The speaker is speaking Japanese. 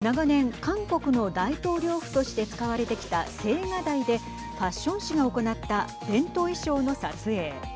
長年、韓国の大統領府として使われてきた青瓦台でファッション誌が行った伝統衣装の撮影。